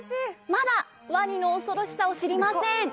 まだワニの恐ろしさを知りません。